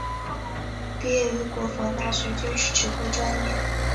毕业于国防大学军事指挥专业。